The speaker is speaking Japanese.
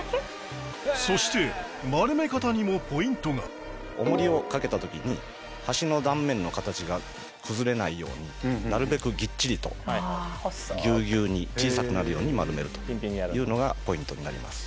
そして丸め方にもポイントがおもりをかけたときに橋の断面の形が崩れないようになるべくギッチリとギュウギュウに小さくなるように丸めるというのがポイントになります